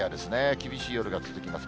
厳しい夜が続きます。